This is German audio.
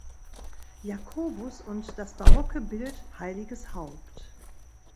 Jakobus und das barocke Bild Heiliges Haupt.